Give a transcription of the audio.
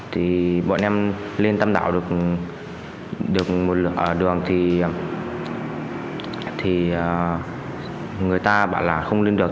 thì bọn em lên tam đảo được một lửa đường thì người ta bảo là không lên được